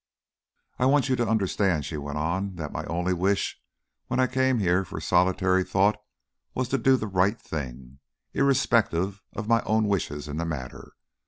"I want you to understand," she went on, "that my only wish when I came here for solitary thought was to do the right thing, irrespective of my own wishes in the matter.